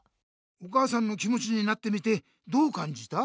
お母さんの気もちになってみてどうかんじた？